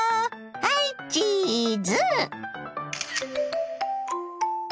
はいチーズ！